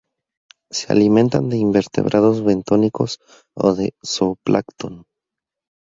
Se alimentan de invertebrados bentónicos o de zooplancton.